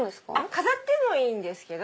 飾ってもいいんですけど。